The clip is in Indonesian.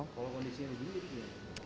kalau kondisinya begini